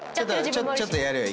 ちょっとやるよ